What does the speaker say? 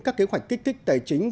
các kế hoạch kích thích tài chính